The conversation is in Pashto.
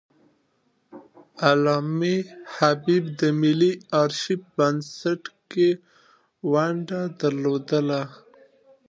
علامه حبيبي د ملي آرشیف بنسټ کې ونډه درلودله.